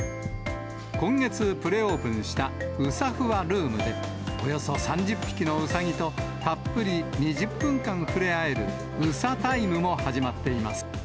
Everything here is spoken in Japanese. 今月プレオープンしたうさふわルームで、およそ３０匹のうさぎと、たっぷり２０分間触れ合えるうさタイムも始まっています。